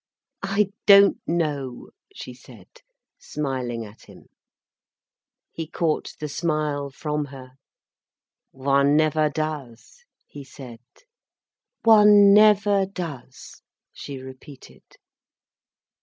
"I don't know," she said, smiling at him. He caught the smile from her. "One never does," he said. "One never does," she repeated.